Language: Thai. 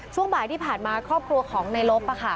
ช่วงบ่ายที่ผ่านมาครอบครัวของในลบ